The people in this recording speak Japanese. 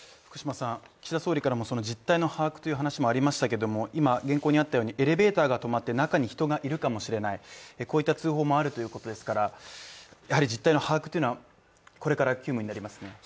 岸田総理からも実態の把握という話がありましたけども今、エレベーターが止まって中に人がいるかもしれない、こういった通報のあるということですから実態の把握というのはこれから急務になりますね。